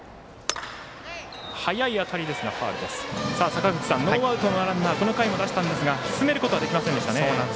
坂口さん、ノーアウトのランナーこの回も出しましたが進めることはできませんでしたね。